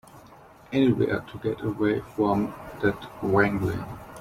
Anywhere to get away from that wrangling.